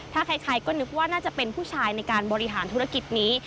ถ้าใครก็นึกว่าน่าจะเป็นผู้ชายในการบริหารธุรกิจนี้